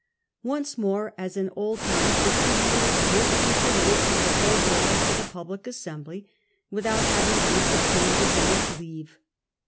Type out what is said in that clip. Once morej as in old times, the tribunes were to be permitted to propose laws to the public assembly without having first obtained the Senate's leave.